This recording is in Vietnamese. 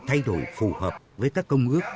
thay đổi phù hợp với các công ước